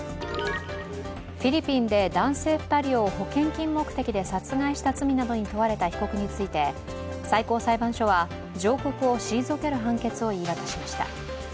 フィリピンで男性２人を保険金目的で殺害した罪などに問われた被告について、最高裁判所は上告を退ける判決を言い渡しました。